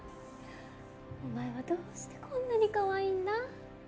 お前はどうしてこんなにかわいいんだ？